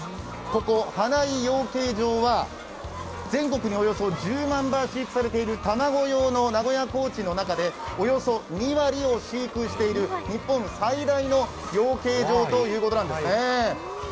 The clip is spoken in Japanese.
ここ花井養鶏場は、全国でおよそ１０万羽飼育されている卵用の名古屋コーチンの、およそ２割を飼育している日本最大の養鶏場ということなんですね。